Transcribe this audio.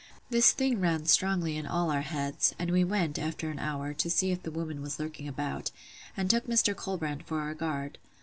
This thing ran strongly in all our heads; and we went, an hour after, to see if the woman was lurking about, and took Mr. Colbrand for our guard.